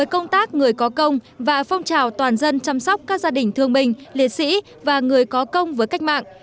công tác người có công và phong trào toàn dân chăm sóc các gia đình thương minh liệt sĩ và người có công với cách mạng